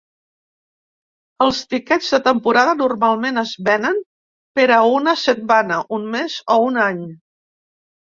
Els tiquets de temporada normalment es venen per a una setmana, un mes o un any.